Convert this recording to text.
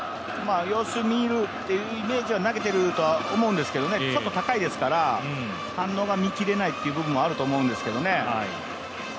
様子見るというイメージで投げてると思うんですけどちょっと高いですから、反応が見きれないという部分もあると思いますけどね。